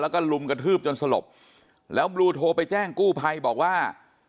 แล้วก็ลุมกระทืบจนสลบแล้วบลูโทรไปแจ้งกู้ภัยบอกว่า